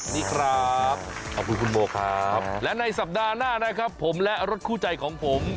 นี่ครับขอบคุณคุณโมครับและในสัปดาห์หน้านะครับผมและรถคู่ใจของผม